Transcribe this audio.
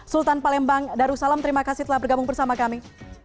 sultan palembang darussalam terima kasih telah bergabung bersama kami